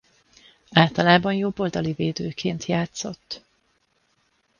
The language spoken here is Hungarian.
Általában jobb oldali védőként játszott.